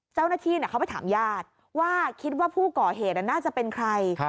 เจ้าหน้าที่เขาไปถามญาติว่าคิดว่าผู้ก่อเหตุน่าจะเป็นใคร